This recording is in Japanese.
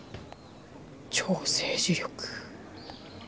「超政治力」。